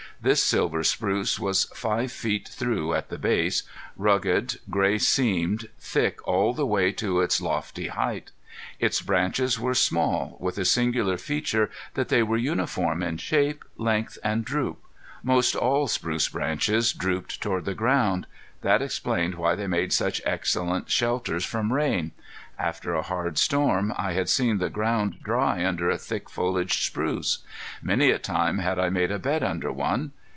This silver spruce was five feet through at the base, rugged, gray seamed, thick all the way to its lofty height. Its branches were small, with a singular feature that they were uniform in shape, length, and droop. Most all spruce branches drooped toward the ground. That explained why they made such excellent shelters from rain. After a hard storm I had seen the ground dry under a thick foliaged spruce. Many a time had I made a bed under one.